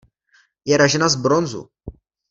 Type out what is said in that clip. Je ražena z bronzu.